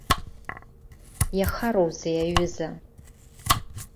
Иахароузеи аҩыза?